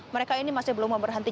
mereka ini masih belum mau berhenti